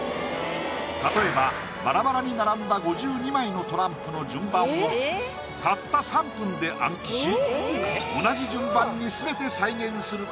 例えばバラバラに並んだ５２枚のトランプの順番をたった３分で暗記し４９５０５１５２